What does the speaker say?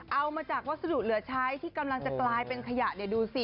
เอามาจากวัสดุเหลือใช้ที่กำลังจะกลายเป็นขยะเนี่ยดูสิ